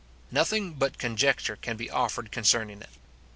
Nothing but conjecture can be offered concerning it.